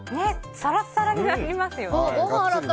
サラサラになりますよね。